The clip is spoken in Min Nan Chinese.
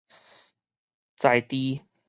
在佇